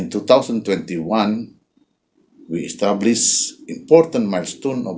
kami menetapkan perjalanan yang penting